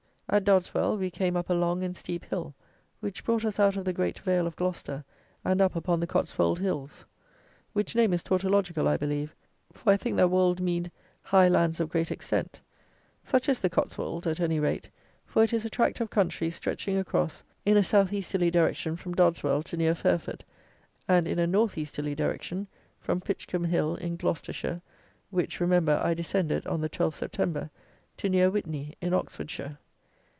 At Dodeswell we came up a long and steep hill, which brought us out of the great vale of Gloucester and up upon the Cotswold Hills, which name is tautological, I believe; for I think that wold meaned high lands of great extent. Such is the Cotswold, at any rate, for it is a tract of country stretching across, in a south easterly direction from Dodeswell to near Fairford, and in a north easterly direction, from Pitchcomb Hill, in Gloucestershire (which, remember, I descended on the 12th September) to near Witney in Oxfordshire.